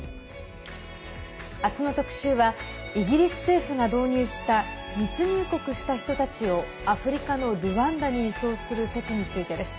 明日の特集はイギリス政府が導入した密入国した人たちをアフリカのルワンダに移送する措置についてです。